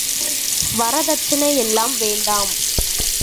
வரதட்சணை எல்லாம் வேண்டாம்.